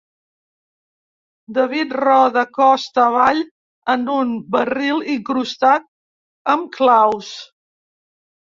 David roda costa avall en un barril incrustat amb claus.